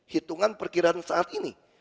hitungan perkiraan saat ini